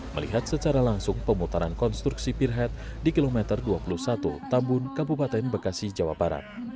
melihat secara langsung pemutaran konstruksi pierhead di kilometer dua puluh satu tambun kabupaten bekasi jawa barat